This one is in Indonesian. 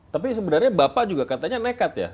tapi sebenarnya bapak juga katanya nekat ya